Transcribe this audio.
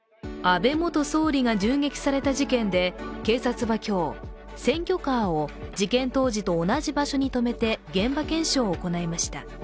安倍元総理が銃撃された事件で、警察は今日選挙カーを、事件当時と同じ場所に停めて現場検証を行いました。